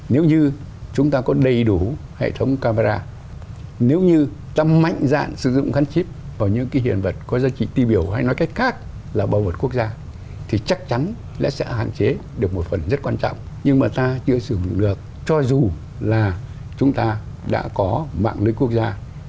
nếu như chúng ta có đầy đủ hệ thống camera nếu như ta mạnh dạn sử dụng khăn chip vào những cái hiện vật có giá trị ti biểu hay nói cách khác là bảo vật quốc gia thì chắc chắn sẽ hạn chế được một phần rất quan trọng nhưng mà ta chưa sử dụng được cho dù là chúng ta đã có mạng lưới quốc gia